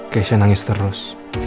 keisha nangis terus